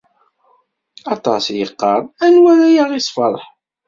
Aṭas i yeqqaren: Anwa ara aɣ-isferḥen?